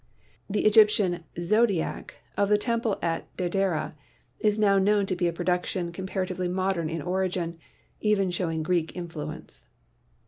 The Egyptian "zodiac" of the temple at Derderah is now known to be a production comparatively modern in origin, even showing Greek influence.